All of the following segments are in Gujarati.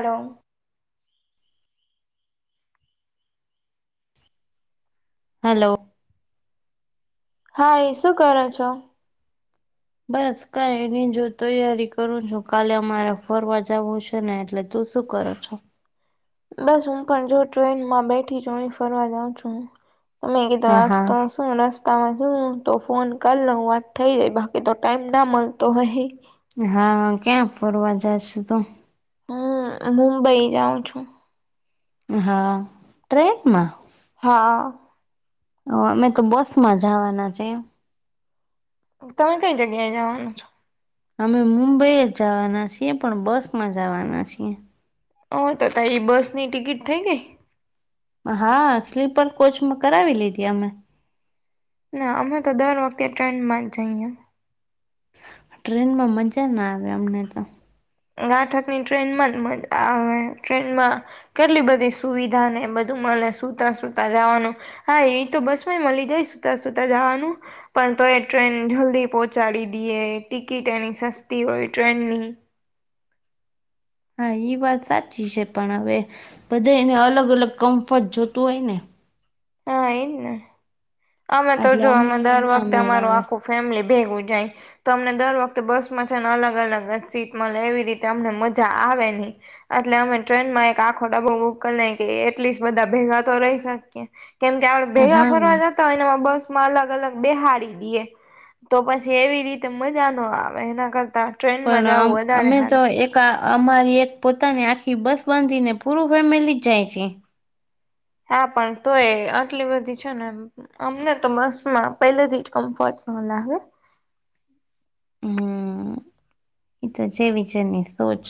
હલો. હલો. હાઈ શું કરો છો? બસ કઈ નઈ જો તૈયારી કરું છું કાલે અમારે ફરવા જવું છે ને એટલે તો શું કરો છો? બસ હું પણ જો ટ્રેનમાં બેઠી જ ફરવા જાઉં છું તમે કીધું હા હા આ શું રસ્તામાં છું તો ફોન કરી લઉ વાત થઈ જાય બાકી તો ટાઈમ ના મળતો હોય. હા ક્યાં ફરવા જાશું તો. હમ મુંબઈ જાઉં છું. હા ટ્રેનમાં? હા. હ અમે તો બસ માં જવાના છે. તમે કઈ જગ્યાએ જવાના છો? અમે મુંબઈ જ જવાના છીએ પણ બસ માં જવાના છીએ. હ તો તારી બસ ની ટિકિટ થઈ ગઈ. હા સ્લીપર કોચમાં કરાવી લીધી અમે. ના અમે તો દર વખતે ટ્રેનમાં જઈએ. ટ્રેનમાં મજા ના આવે અમને તો. ગાંઠકની ટ્રેનમાં જ આવે ટ્રેનમાં કેટલી બધી સુવિધા ને બધું મળને સુતા સુતા જવાનું. હા એ તો બસમાં મળી જાય સુતા સુતા જવાનું. પણ તો એ ટ્રેન જલ્દી પહોંચાડી દઈએ ટિકિટ એની સસ્તી હોય ટ્રેનની. હા એ વાત સાચી છે પણ હવે બધા એને અલગ અલગ કમ્ફર્ટ જોતું હોય ને. હા એઈજ ને અમે તો એટલે જો અમને અમે દર ના વખતે મેળ અમારું આવે આખું ફેમિલી ભેગું જાય. તો અમને દર વખતે બસમાં છે ને અલગ અલગ સીટમાં મલે એવી રીતે અમને મજા આવે નહી. એટલે અમે ટ્રેન માં એક આખો ડબો બુંક ના કે [unintelligible] બધા ભેગા તો રહી શકીએ. કેમ કે આપડ ભેગા હા ફરવા જતા હો એનામાં બસ માં અલગ અલગ બેહાડી દઈએ. તો પછી એવી રીતે મજા નો આવે એના કરતા પણ ટ્રેનમાં અમ જવું વધારે અમે તો સારું. એક [unintelligible] અમારી એક પોતાની આખી બસ બાંધીને પૂરું ફેમિલી જાય છે. હા પણ તો એ આટલી બધી છે ને અમને તો બસમાં પહેલેથી જ કમ્ફર્ટ ન લાગે. હમ એતો જેવી જેની સોચ.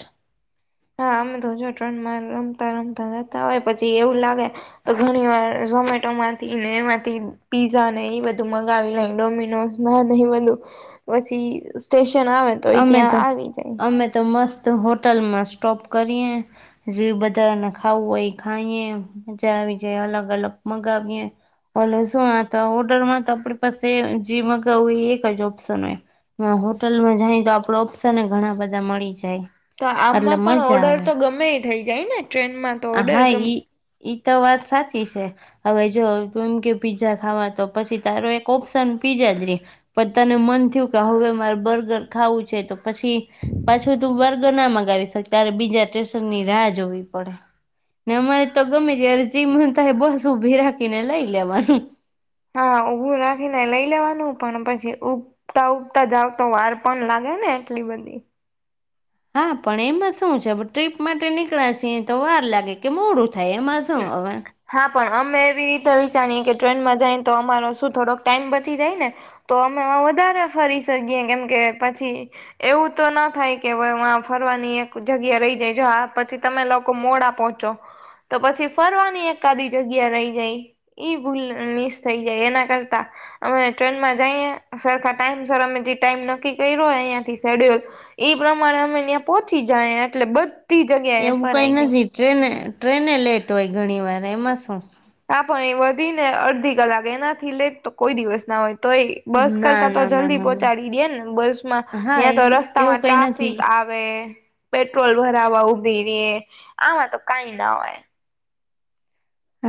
હા અમે તો જો ટ્રેન માં રમતા રમતા જતા હોય પછી એવું લાગે તો ઘણી વાર ઝોમેટો માંથી ને એમાંથી પીઝા ને એ બધું મગાવી લ ડોમિનોજ ના નહી બધું પછી સ્ટેશન આવે એ અમે ત્યાં તો આવી જાય. અમે તો મસ્ત હોટલમાં સ્ટોપ કરીએ. જે બધાને ખાવું હોય ખાઈએ મજા આવી જાય અલગ અલગ મગાવીએ. હલો શું આ તો ઓર્ડર માં તો આપણી પાસે જી મગાવું એ એક જ ઓપ્શન હે હ હોટલમાં જાય તો આપડો ઓપ્શન ઘણા બધા મળી જાય. તો એટલે આમમાં પણ મજા ઓર્ડર આવે તો ગમે ઈ થઇ જાય ને ટ્રેનમાં તો ઓર્ડર હા ગમ ઈ ઈ તો વાત સાચી છે. હવે જો એમ કે પીઝા ખાવા તો પછી તારો એક ઓપ્શન પીઝા જ રે. પણ તને મન થિયું કે હવે મારે બર્ગર ખાવું છે તો પછી પાછું તું બર્ગર ના મગાવી શક તારે બીજા સ્ટેશનની રાહ જોવી પડે. ને અ મરે તો ગમે ત્યારે જી મન થાય એ બસ ઊભી રાખીને લઈ લેવાનું હા ઊભું રાખીને લઈ લેવાનું પણ પછી ઉ- ઉતા ઉગતા જાવ તો વાર પણ લાગે ને એટલી બધી- હા પણ એમાં શું છે ટ્રીપ માટે નીકળાશીએ તો વાર લાગે કે મોડું થાય એમાં સુ હવે. હા પણ અમે એવી રીતે વિચારીએ કે ટ્રેનમાં જાયને તો અમારો શું થોડોક ટાઈમ બચી જાય ને. તો અમે વધારે ફરી શકીએ કેમ કે પછી એવું તો ના થાય કે [unintelligible] ફરવાની એક જગ્યા રહી જાય જો આ પછી તમે લોકો મોડા પહોંચો. તો પછી ફરવાની એકાદી જગ્યા રહી જાય ઈ ભૂલ મિસ થઈ જાય એના કરતા અમે ટ્રેનમાં જઈએ સરખા ટાઈમ સર અમે જે ટાઈમ નક્કી કર્યો અહીંયાથી શેડ્યુલ એ પ્રમાણે અમે ન્યા પહોચી જાય એટલે બધ એવું કઈ નથી ટ્રેને ટ્રેને લેટ હોય ઘણી વાર એમાં શું હા પણ એ વધી ને અડધી કલાક એનાથી લેટ તો કોઈ દિવસ ના હોય તો એ બસ ના કરતા તો ના ના જલ્દી ના ના પહોંચાડી દેન બસ માં હા ત્યાં તો એ એવું રસ્તામાં કઈ ટ્રાફિક નથી આ વે પેટ્રોલ ભરાવા ઉભી રે આમાં તો કાઈ ના હોય.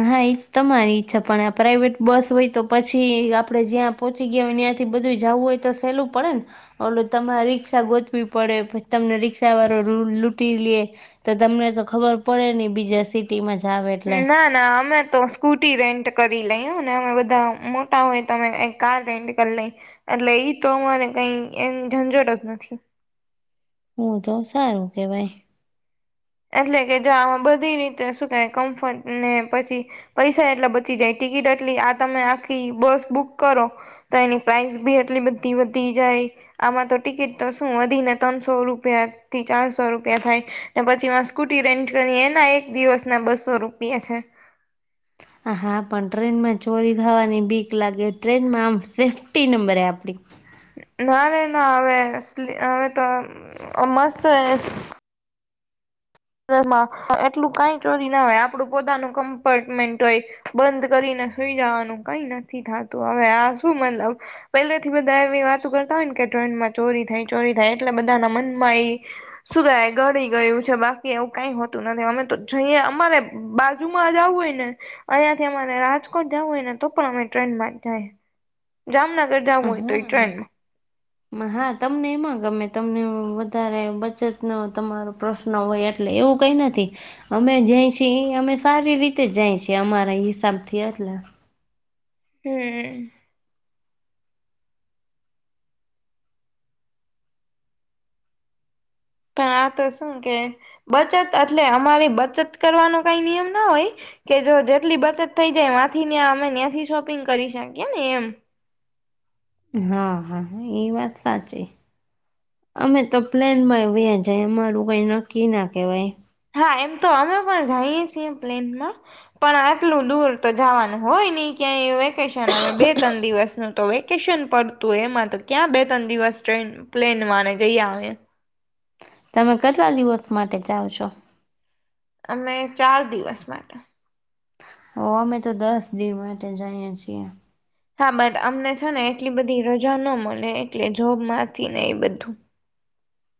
હા એ તમારી ઈચ્છા પણ આ પ્રાઇવેટ બસ હોય તો પછી આપણેે જ્યાં પહોંચી ગ્યા ને ઈયાંથી બધું જાવું હોય તો સહેલું પડેન ઓલુ તમારે રિક્ષા ગોતવી પડે પછી તમને રિક્ષા વાળો લુ લૂંટી લે તો તમને તો ખબર પડે ની બીજા સી ટી માં જાવે ના ના અમે તો સ્કૂટી રેન્ટ કરી લઈ અનેને અમે બધા મોટા હોય તો અમે કાર રેન્ટ કર લઈ. એટલે ઈ તો અમારે કઈ એન ઝંઝટ જ નથી. હુ તો સારું કેવાય એટલે કે જો આમાં બધી રીતે શું થાય કમ્ફર્ટ ને પછી પૈસા એટલા બચી જાય ટિકિટ એટલી આ તમે આખી બસ બુક કરો તો એની પ્રાઇસ બી એટલી બધી વધી જાય. આમાં તો ટિકિટ તો શું વધી ને ત્રણસો રૂપિયા થી ચારસો રૂપિયા થાય ને પ છીમાં સ્કૂટી રેન્ટ કરી એના એક દિવસ ના બસો રૂપિયા છે. હા પણ ટ્રેનમાં ચોરી થવાની બીક લાગે ટ્રેનમાં આમ સેફ્ટી નંબરે આપડી ના રે ના હવે અસલી હવે તો અ મસ્ત એસ ટ્રેન માં એટલું કઈ ચોરી ના હોય આપડું પોતાનું કમ્પાર્ટમેન્ટ હોય બંધ કરીને સુઈ જવાનું કઈ નથી થતું હવે આ શું મતલબ પહેલા થી બધા એવી વાતો કરતા હોય ને કે ટ્રેનમાં ચોરી થાય ચોરી થાય એટલે બધાના મનમાં એ શું ગાય ગણી ગયું છે બા. એવું કઈ હોતું નથી અમે તો જોઈ અમારે બાજુમાં જ આવું હોય ને અઈયા થી અમારે રાજકોટ જવું હોય ને તો પણ અમે ટ્રેનમાં જાય. જામનગર જ હ હામે [inaudible] હા તમને એમાં ગમે તમને વધારે બચતનો તમારો પ્રશ્ ન હોય એટલે એવું કઈ નથી. અમે જાય છી ઈ અમે સારી રીતે જાય છી એ અમારા હિસાબ થી એટલે હમ. પણ આ તો શું કે બચત એટલે અમારી બચત કરવાનો કઈ નિયમ ના હોય કે જો જેટલી બચત થઈ જાયથી અમે ત્યાંથી શોપિંગ કરી શકીએ ને એમ. હા હા એ વાત સાચી. અમે તો પ્લેન માં વ્યા જ અમારું કઈ નક્કી ના કહેવાય. હા એમ તો અમે પણ જઈએ છીએ પ્લેનમાં પણ આટલું દૂર તો જવાનું હોય નઈ ક્યાંય વેકેશન હવે બે ત્રણ દિવસ ન તો વેકેશન પડતું હોય એમાં તો ક્યાં બે ત્રણ દિવસ ટ્રેન પ્લેનમાંને જઈ આવે. તમે કેટલા દિવસ માટે જાઓ છો? અમે ચાર દિવસ માટે. ઓ અમે તો દસ દિિવમાં જાએ છીએ. હા બટ અમને છે ને એટલી બધી રજા ન મળે એટલે જોબ માંથી ને એ બધું.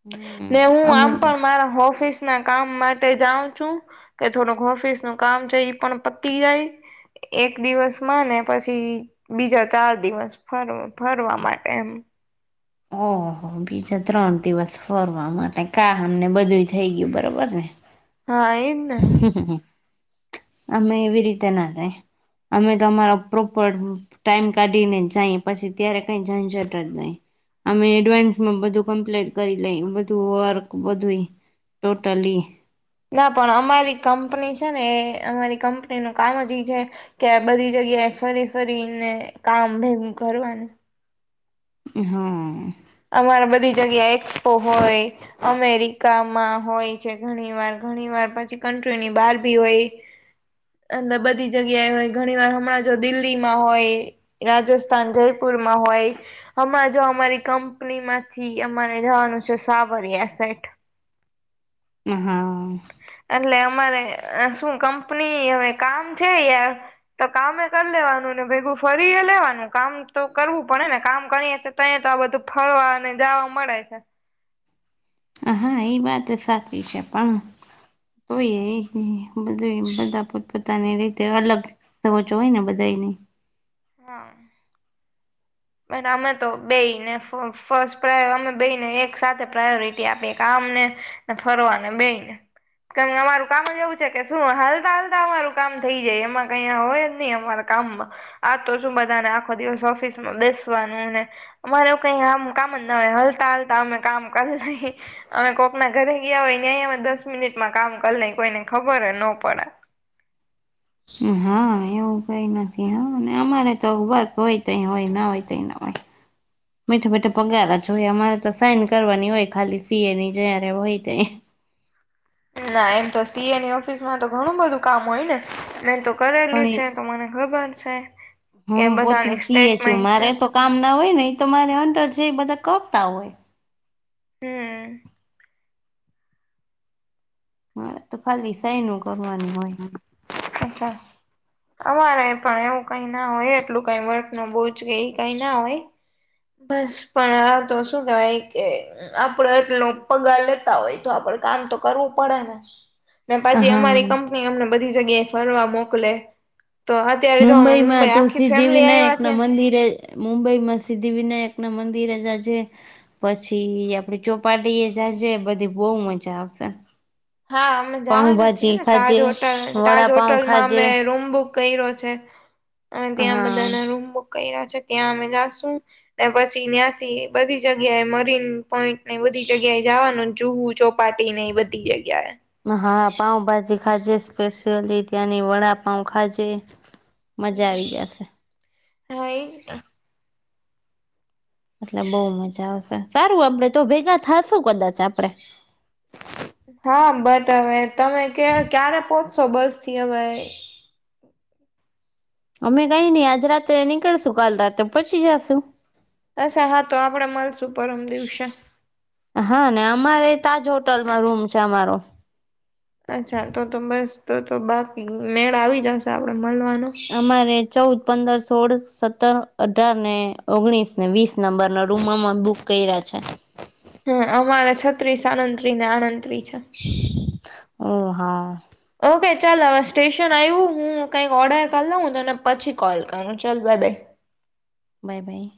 હમ ને હું અમે આમ તો પણ મારા ઓફિસ ના કામ માટે જાઉ છું કે થોડુંક ઓફિસ નું કામ છે પણ પતી જાય. એક દિવસ માં ને પછી બીજા ચાર દિવસ ફર ફરવા માટે એમ ઓહ બીજા ત્રણ દિવસ ફરવા માટે કા અમને બધું થઈ ગયું બરાબર ને? હા એમને હ અમે એવી રીતે ના થાય અમે તો અમારો પ્રોપર ટાઈમ કાઢી ને જાય પછી ત્યારે કઈ જઈ જટ જ નહી. અમે એડવાન્સમાં બધું કમ્પ્લીટ કરી લઈ બધું વર્ક બધું ટોટલી. ના પણ અમારી કંપની છે ને એ અમારી કંપની નું કામ જ એઈ છે કે બધી જગ્યાએ ફરી ફરી ને કામ ભેગું કરવાનું હા. અમારા બધી જગ્યા એક્સપો હોય. અમેરિકામાં હોય છે ઘણી વાર ઘણી વાર પછી કન્ટ્રીની બહાર ભી હોય અને બધી જગ્યાએ હોય ઘણી વાર હમણાં જો દિલ્હીમાં હોય રાજસ્થાન જયપુરમાં હોય હ જો અમારી ક પનીમાંથી અમારે જવાનું છે સાવરિયા સેટ હ હા. એટલે અમારે શું કંપની હવે કામ છે યાર તો કામે કરી લેવાનું ને ભેગું ફરી એ લેવાનું કામ તો કરવું પડે ને કામ કરી ત તો આ બધું ફરવા અને જાવા મળે છે હ હા એ વાત સાચી છે પણ કોય એ બધું એ બધા પોતપોતાની રીતે અલગ સચો હોય ને બધા ને. હા. બ અમે તો બેને ફસ્ટ પ્રાય અમે બેને એક સાથે પ્રાયોરિટી આપીએ કે અમને ફરવાને બેઈ ને. કે અમારું કામ જ એવું છે કે શું હલતા હલતા અમારું કામ થઈ જાય એમાં કયા હોય જ નહી અમારા કામમાં આ તો શું બધાને આખો દિવસ ઓફિસ માં બેસવાનું ને અમારે કઈ આમ કામ જ ન હોય હલતા હલતા અમે કામ કરી લઈ અમે કોકના ઘરે ગયા હોય ને અહી અમે દસ મિનિટમાં કામ કર નઈ કોઈને ખબર નો પડે. હા એવું કઈ નથી હા ને અમારે તો વર્ક હોય તઈ હોય ના હોયઈ ના હોય. મીઠો બેઠા પગાર જો હોય અમારે તો સાઈન કરવાની હોય ખાલી ફી એની જયારે હોય તે. ના એમ તો સી એની ઓફિસ માં તો ઘણું બધું કામ હોય ને મે તો કરેલું એ છે તો મને ખબર છે કે હું પોતે બધાની સી એ છું સ્ટેટમેન્ટ છે મારે તો કામ ના હોય ને એ તો મારે અંડર જ બધા કતા હોય હમ મારે તો ખાલી સાઈ ન કરવાની હોય અચ્છા. અમારે પણ એવું કઈ ના હોય એટલું કઈ વર્ક ન બહુજ કે એ કઈ ના હોય. બસ પણ આ તો શું કેવાય. કે આપડે એટલો પગાર લેતા હોય તો આપડે કામ તો કરવું પડે ને. પછી હા અમારી કંપની અમને બધી જગ્યાએ ફરવા મોકલે તો અત્યારે જો અમે મુંબઈ માં તો આખી ફેમિલી સિદ્ધિવિનાયક આવ્યા છે ના મંદિરે મુંબઈમાં સિદ્ધિવિનાયક ના મંદિર જા જે. પછી આપડે ચોપાટીએ જાજે બધી બહુ મજા આવશે. હા અમે જવાના છીએ પાઉભાજી ને તાજ ખાજે હોટલ તાજ વડાપાઉ હોટલમાં ખાજે અમે રૂમ બુક કયરો છે અને ત્યાં હા બધાના રૂમ બુક કરરા છે ત્યાં અમે જાશું. ને પછી ત્યાંથી બધી જગ્યાએ મરીન પોઈન્ટ ને બધી જગ્યાએ જવાનું જુહુ ચોક પાર્ટી ને એ બઘી જગ્યા એ. હા પાઉ ભાજી ખાજે સ્પેશિયલી ત્યાંની વડાપઉ ખાજે મજા હમ આવી જશે હા એજ તા. એટલે બહુ મજા આવશે સારું આપડે તો ભેગા થાશું કદાચ આપડે. હા બટ હવે તમે કયા ક્યારે પોહોચશો બસ થી હવે અમે કઈ નઈ આજ રાતે નીકળશું કાલ રાતે પોચી જાશું. અચ્છા હા તો આપડે મળશું પરમ દિવસે હા ને અમારે તાજ હોટલમાં રૂમ છે અમારો અચ્છા તો તો બસ તો તો બાકી મેળ આવી જાશે આપડે મળવાનો. અમારે. ચૌદ પંદર સોળ સત્તર અઢાર ને ઓગણીસ ને વીસ નંબરના નો રૂમમાં અમારુ બુક કેયરા છે. હમ અમારા છત્રીસ સળત્રીશ અળત્રી છે. ઓ હા. ઓકે ચાલ હવે સ્ટેશન આવ્યું હું કંઈક ઓર્ડર કરી લઉં તને પછી કોલ કરું ચલ બાય બાય. Bye by.